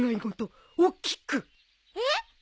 えっ？